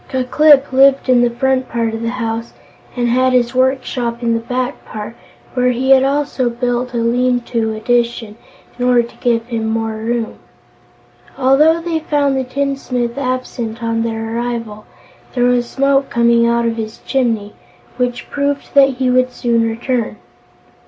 Ku Klip lived in the front part of the house and had his work shop in the back part, where he had also built a lean to addition, in order to give him more room. Although they found the tinsmith absent on their arrival, there was smoke coming out of his chimney, which proved that he would soon return.